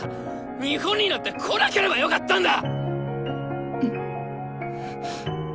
日本になんて来なければよかったんだ！